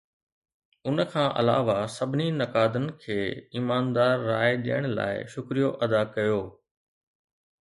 ان کان علاوه، سڀني نقادن کي ايماندار راء ڏيڻ لاء شڪريو ادا ڪيو.